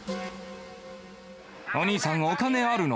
お兄さん、お金あるの？